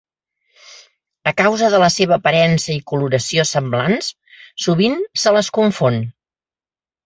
A causa de la seva aparença i coloració semblants, sovint se les confon.